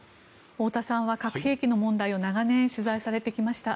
太田さんは核兵器の問題を長年、取材されてきました。